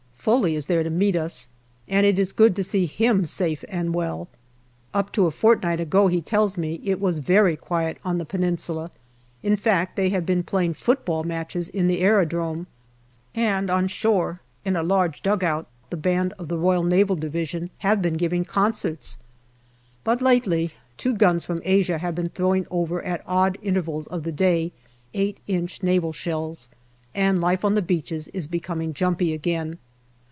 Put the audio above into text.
Foley is there to meet us, and it is good to see him safe and well. Up to a fortnight ago, he tells me, it was very quiet on the Peninsula in fact, they have been playing 302 GALLIPOLI DIARY football matches in the aerodrome, and on shore, in a large dugout, the band of the R.N.D. have been giving concerts. But lately two guns from Asia have been throw ing over at odd intervals of the day 8 inch Naval shells, and life on the beaches is becoming jumpy again.